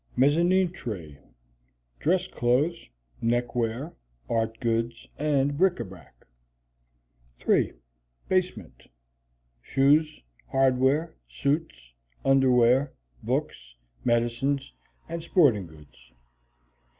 Mezzanine Tray. Dress clothes, neckwear, art goods, and bric a brac. 3. Basement. Shoes, hardware, suits, underwear, books, medicines, and sporting goods.